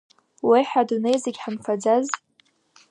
Уеҳ адунеи зегь ҳамфаӡаз?